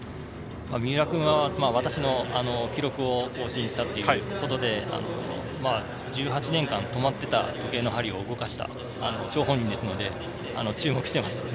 三浦君は私の記録を更新したということで１８年間止まっていた時計の針を動かした張本人ですので、注目しています。